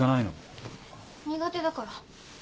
苦手だから。